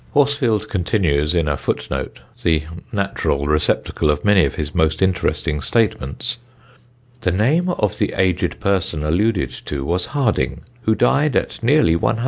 Horsfield continues, in a footnote (the natural receptacle of many of his most interesting statements): "The name of the aged person alluded to was Harding, who died at nearly 100.